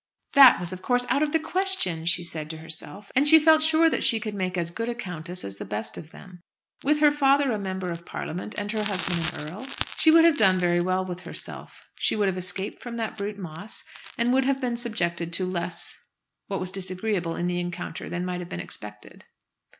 "That was of course out of the question," she said to herself. And she felt sure that she could make as good a countess as the best of them. With her father a Member of Parliament, and her husband an earl, she would have done very well with herself. She would have escaped from that brute Moss, and would have been subjected to less that was disagreeable in the encounter than might have been expected.